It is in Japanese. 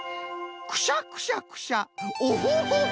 クシャクシャクシャオホホホホ！